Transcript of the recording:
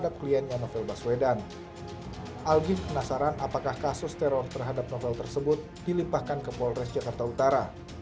algif penasaran apakah kasus teror terhadap novel tersebut dilimpahkan ke polres jakarta utara